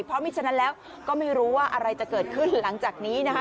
เพราะไม่ฉะนั้นแล้วก็ไม่รู้ว่าอะไรจะเกิดขึ้นหลังจากนี้นะคะ